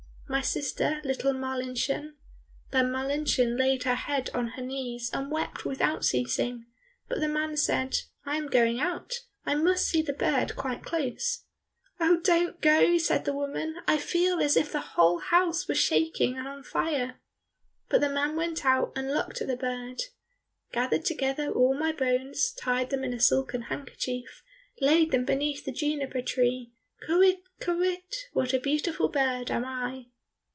"My sister, little Marlinchen," Then Marlinchen laid her head on her knees and wept without ceasing, but the man said, "I am going out, I must see the bird quite close." "Oh, don't go," said the woman, "I feel as if the whole house were shaking and on fire." But the man went out and looked at the bird: "Gathered together all my bones, Tied them in a silken handkerchief, Laid them beneath the juniper tree, Kywitt, kywitt, what a beautiful bird am I!"